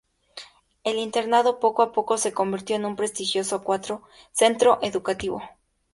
El internado, poco a poco, se convirtió en un prestigioso centro educativo.